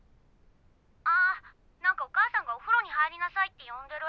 あ何かお母さんがおふろに入りなさいって呼んでる。